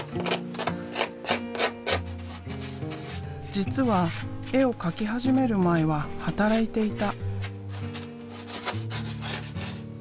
実は絵を描き始める前は働いていた。